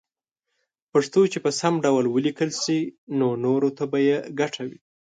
پښتو چې په سم ډول وليکلې شي نو نوره ته به يې ګټه وي